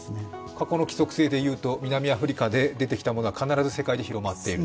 過去の規則性で言うと南アフリカで出てきたものは日本で広がってると。